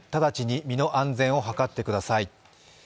直ちに身の安全を図ってください。